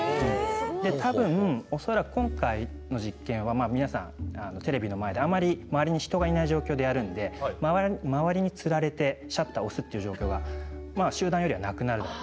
たぶん今回の実験は皆さんテレビの前で、あまり周りに人がいない状況でやるので周りにつられてシャッターを押す状況が集団よりはなくなると。